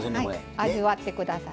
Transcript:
味わってください。